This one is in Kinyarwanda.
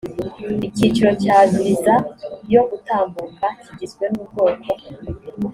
icyiciro cya viza yo gutambuka kigizwe n ubwoko